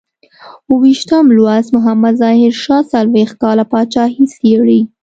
اوو ویشتم لوست محمد ظاهر شاه څلویښت کاله پاچاهي څېړي.